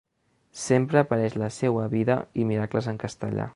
Sempre apareix la seua vida i miracles en castellà.